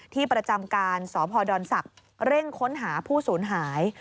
ที่ประจำการสพดศักดิ์เร่งค้นหาผู้สูญหาย